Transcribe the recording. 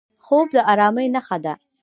خوب د ارامۍ نښه ده